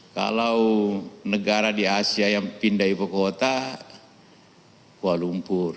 kalau negara di asia yang pindah ibu kota kuala lumpur